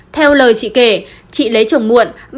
theo lời chị kể chị lấy chồng muộn